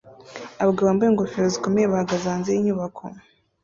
Abagabo bambaye ingofero zikomeye bahagaze hanze yinyubako